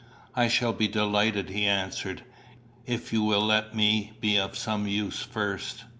"I shall be delighted," he answered, "if you will let me be of some use first.